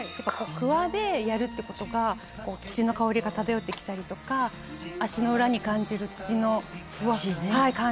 「クワでやるって事が土の香りが漂ってきたりとか足の裏に感じる土の感触だったりとか」